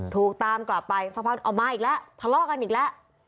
ถูกตามกลับไปสักพักเอามาอีกแล้วทะเลาะกันอีกแล้ว